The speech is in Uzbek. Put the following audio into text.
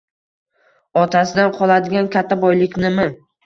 Otasidan qoladigan katta boyliknimi?